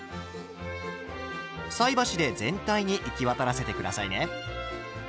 菜箸で全体に行き渡らせて下さいね。